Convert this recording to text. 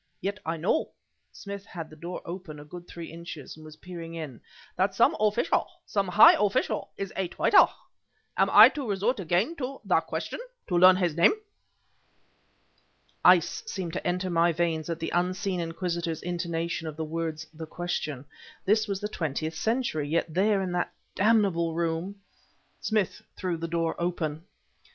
Yet I know" (Smith had the door open a good three inches and was peering in) "that some official, some high official, is a traitor. Am I to resort again to the question to learn his name?" Ice seemed to enter my veins at the unseen inquisitor's intonation of the words "the question." This was the Twentieth Century, yet there, in that damnable room... Smith threw the door open.